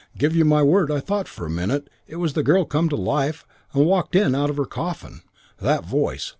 Give you my word I thought for a minute it was the girl come to life and walked in out of her coffin. That voice!